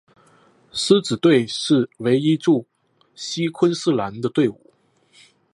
狮子队是唯一驻锡昆士兰的队伍。